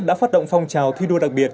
đã phát động phòng trào thi đua đặc biệt